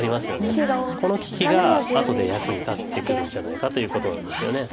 この利きが後で役に立ってくるんじゃないかということなんですよね。